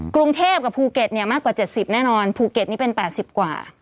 กรุงเทพกับภูเก็ตเนี่ยมากกว่า๗๐แน่นอนภูเก็ตนี่เป็น๘๐กว่า